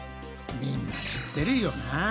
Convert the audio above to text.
みんな知ってるよな。